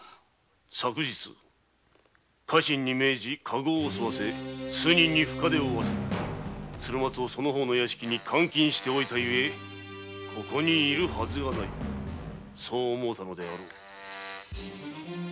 昨日家臣に命じカゴを襲わせ数名に深傷を負わせ鶴松をその方の屋敷に監禁しておいたゆえここにいるはずがないそう思うたのであろう。